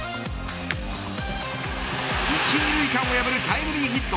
１、２塁間を破るタイムリーヒット。